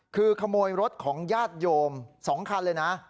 คือขโมยรถของญาติโยม๒คันเลยนะ